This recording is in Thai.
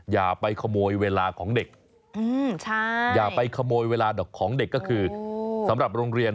อย่าไปขโมยเวลาของเด็กอย่าไปขโมยเวลาดอกของเด็กก็คือสำหรับโรงเรียน